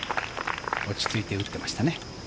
落ち着いて打ってましたね。